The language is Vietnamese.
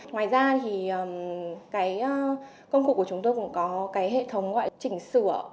ngoài ra công cụ của chúng tôi cũng có hệ thống gọi là chỉnh sửa